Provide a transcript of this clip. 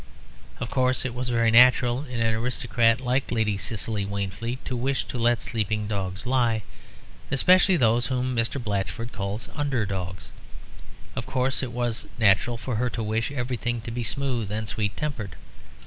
Of course, it was very natural in an aristocrat like Lady Cicely Waynefleet to wish to let sleeping dogs lie, especially those whom Mr. Blatchford calls under dogs. Of course it was natural for her to wish everything to be smooth and sweet tempered.